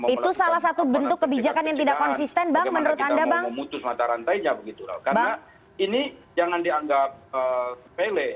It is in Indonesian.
itu salah satu bentuk kebijakan yang tidak konsisten bagaimana kita mau memutus mata rantai karena ini jangan dianggap pele